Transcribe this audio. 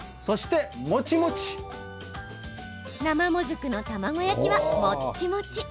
生もずくの卵焼きは、もっちもち。